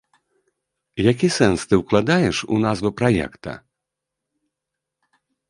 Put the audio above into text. Які сэнс ты ўкладаеш у назву праекта?